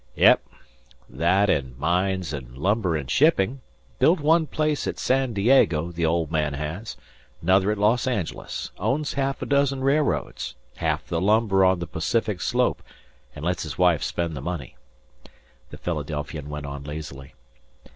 "Yep. That and mines and lumber and shipping. Built one place at San Diego, the old man has; another at Los Angeles; owns half a dozen railroads, half the lumber on the Pacific slope, and lets his wife spend the money," the Philadelphian went on lazily.